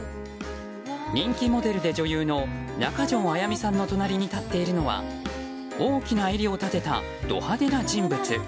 人気モデルで女優の中条あやみさんの隣に立っているのは大きな襟を立てたド派手な人物。